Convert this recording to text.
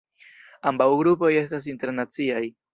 Ambaŭ grupoj estas internaciaj.